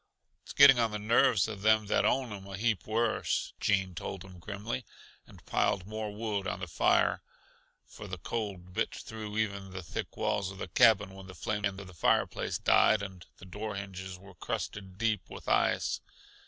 "It's getting on the nerves uh them that own 'em a heap worse," Gene told him grimly, and piled more wood on the fire; for the cold bit through even the thick walls of the cabin when the flames in the fireplace died, and the door hinges were crusted deep with ice.